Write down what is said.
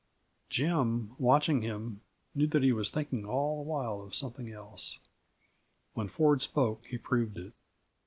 Jim, watching him, knew that he was thinking all the while of something else. When Ford spoke, he proved it.